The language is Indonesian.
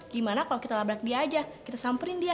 gimana kalau kita labrak dia aja kita samperin dia